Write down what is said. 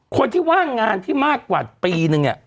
คนที่ว่างงานที่มากกว่าปีนึงเนี่ย